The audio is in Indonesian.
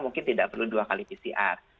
mungkin tidak perlu dua kali pcr